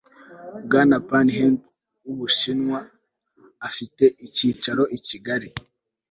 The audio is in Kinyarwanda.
bwana pan hejun, w'ubushinwa, afite icyicaro i kigali